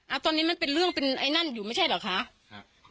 ตอนนี้มันเป็นเรื่องเป็นไอ้นั่นอยู่ไม่ใช่เหรอคะครับ